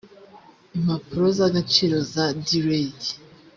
impapuro z agaciro za d reit